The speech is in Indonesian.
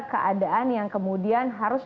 keadaan yang kemudian harus